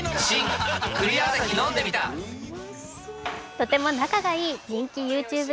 とても仲がいい人気ＹｏｕＴｕｂｅ